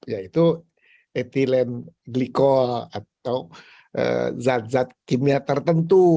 yaitu etilen glikol atau zat zat kimia tertentu